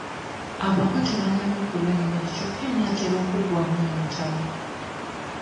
Abako tebannaba kulya ku mmere kyokka enaatera okuggwamu mu ntamu.